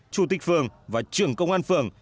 chủ tịch phường và trưởng công an phường